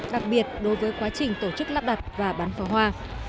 đặc biệt đối với quá trình tổ chức lắp đặt và bán pháo hoa